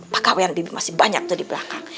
pak kawin bibi masih banyak tuh di belakang